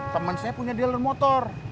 teman saya punya dealer motor